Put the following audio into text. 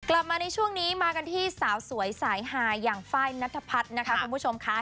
กลับมาในช่วงนี้มากันที่สาวสวยสายหาอย่างไฟล์นัทพัฒน์นะคะคุณผู้ชมค่ะ